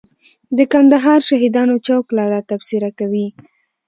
د کندهار شهیدانو چوک لالا تبصره کوي.